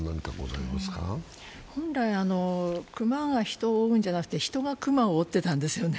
本来、熊が人を追うんじゃなくて人が熊を追ってたんですね。